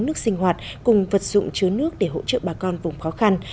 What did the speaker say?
nước sinh hoạt cùng vật dụng chứa nước để hỗ trợ bà con vùng khó khăn